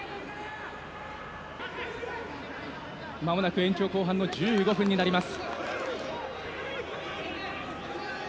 まもなく延長後半の１５分になります。